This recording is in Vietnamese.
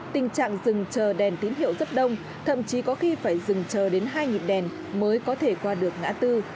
tình trạng rừng chờ đèn tín hiệu rất đông thậm chí có khi phải dừng chờ đến hai nhịp đèn mới có thể qua được ngã tư